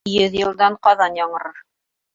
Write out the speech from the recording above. Йөҙ йылдан ҡаҙан яңырыр.